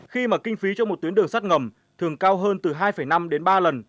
khi mà kinh phí cho một tuyến đường sắt ngầm thường cao hơn từ hai năm đến ba lần